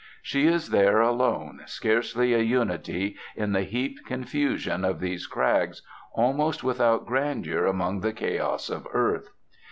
She is there alone, scarcely a unity in the heaped confusion of these crags, almost without grandeur among the chaos of earth.